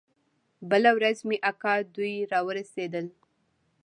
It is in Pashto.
بله ورځ مې اکا دوى راورسېدل.